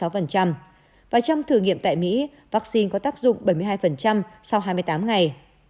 và trong thử nghiệm tại mỹ vắc xin có tác dụng bảy mươi hai sau hai mươi tám ngày